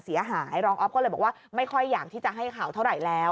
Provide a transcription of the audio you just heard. รองออฟก็เลยบอกว่าไม่ค่อยอยากที่จะให้ข่าวเท่าไหร่แล้ว